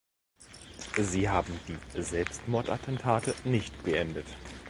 Sie haben die Selbstmordattentate nicht beendet.